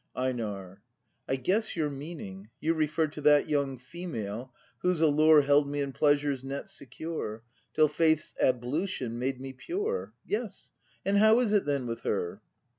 EiNAR. I guess your meaning; you refer To that young female, whose allure Held me in pleasure's net secure, Till Faith's ablution made me pure. — Yes, and how is it then with her?